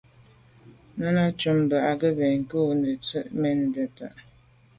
Náná cúp mbə̄ á gə̀ mə́ kɔ̌ nə̀ jɔ̌ŋ tsjə́n mɛ́n nə̀tá.